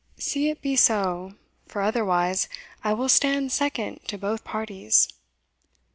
"See it be so; for otherwise, I will stand second to both parties."